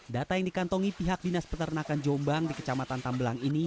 data yang dikantongi pihak dinas peternakan jombang di kecamatan tambelang ini